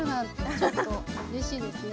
ちょっとうれしいですね。